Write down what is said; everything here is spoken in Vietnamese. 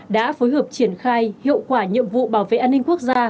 đã phối hợp triển khai hiệu quả nhiệm vụ bảo vệ an ninh quốc gia